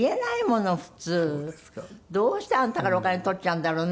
「どうしてあんたからお金取っちゃうんだろうね」